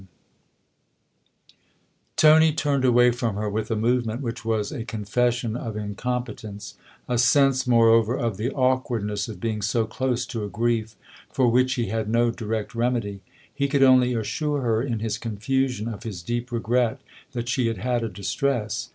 XI TONY turned away from her with a movement which was a confession of incompetence ; a sense more over of the awkwardness of being so close to a grief for which he had no direct remedy. He could only assure her, in his confusion, of his deep regret that she had had a distress.